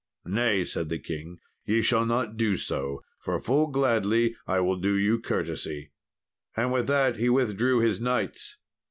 "Nay," said the king, "ye shall not do so; for full gladly I will do you courtesy," and with that he withdrew his knights.